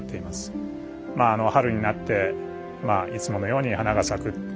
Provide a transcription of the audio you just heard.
まあ春になっていつものように花が咲く。